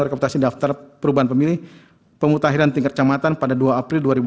bersama dengan hasil penyusunan daftar pemilih pemutahiran tingkat kamatan pada dua april dua ribu dua puluh tiga